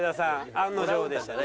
案の定でしたね。